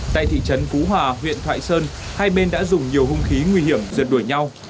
tại thị trấn phú hòa huyện thoại sơn hai bên đã dùng nhiều hung khí nguy hiểm rượt đuổi nhau